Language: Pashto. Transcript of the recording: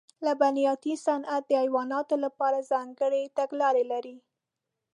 لبنیاتي صنعت د حیواناتو لپاره ځانګړې تګلارې لري.